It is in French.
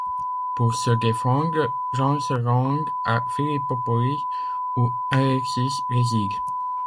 Pour se défendre, Jean se rend à Philippopolis où Alexis réside.